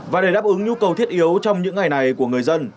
và để đáp ứng nhu cầu thiết yếu trong những ngày này của người dân